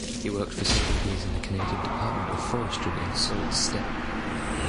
He worked for several years in the Canadian Department of Forestry in Sault Ste.